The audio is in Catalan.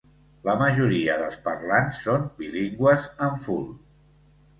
La majoria dels parlants són bilingües en ful.